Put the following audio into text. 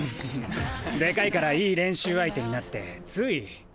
でかいからいい練習相手になってつい。